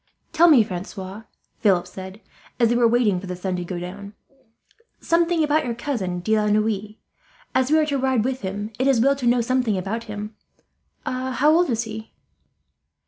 "Tell me, Francois," Philip said, as they were waiting for the sun to go down, "something about your cousin De la Noue. As we are to ride with him, it is as well to know something about him. How old is he?"